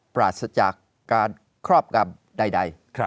ปราศจากการครอบกรรมใด